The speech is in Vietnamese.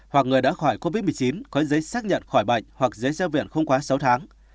hoặc người đã khỏi covid một mươi chín có giấy xác nhận khỏi bệnh hoặc giấy ra viện không quá sáu tháng